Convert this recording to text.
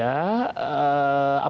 apakah lokal atau negara